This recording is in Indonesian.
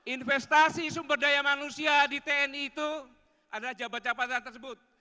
investasi sumber daya manusia di tni itu adalah jabatan jabatan tersebut